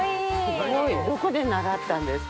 すごいどこで習ったんですか？